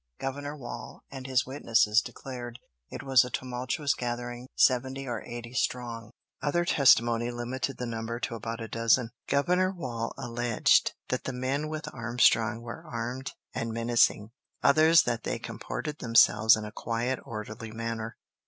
Governor Wall and his witnesses declared it was a tumultuous gathering, seventy or eighty strong; other testimony limited the number to about a dozen. Governor Wall alleged that the men with Armstrong were armed and menacing; others that they comported themselves in a quiet, orderly manner.